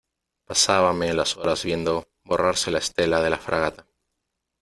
pasábame las horas viendo borrarse la estela de la fragata .